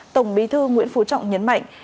tổng bí thư nguyễn phú trọng nhấn mạnh